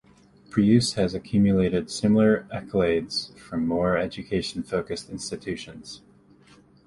Preuss has accumulated similar accolades from more education-focused institutions.